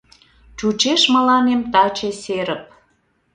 Чучеш мыланем таче серып.